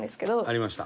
ありました。